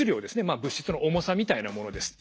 まあ物質の重さみたいなものです。